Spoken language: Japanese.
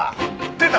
出た！？